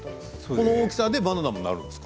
この大きさでバナナ、なるんですか？